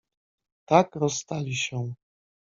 "Tak rozstali się."